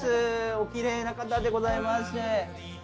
お奇麗な方でございまして。